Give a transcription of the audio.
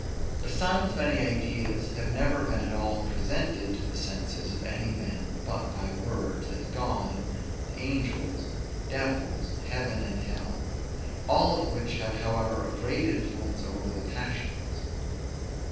Besides many ideas have never been at all presented to the senses of any men but by words, as God, angels, devils, heaven, and hell, all of which have however a great influence over the passions.